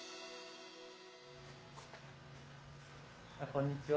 こんにちは。